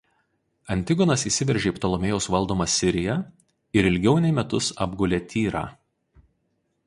Antigonas įsiveržė į Ptolemėjaus valdomą Siriją ir ilgiau nei metus apgulė Tyrą.